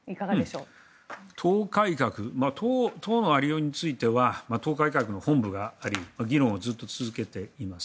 党の有りようについては党改革の本部があり議論をずっと続けています。